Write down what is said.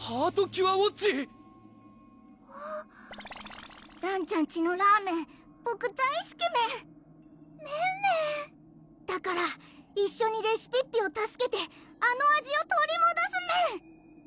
ハートキュアウォッチ！らんちゃんちのラーメンボク大すきメンメンメンだから一緒にレシピッピを助けてあの味を取りもどすメン！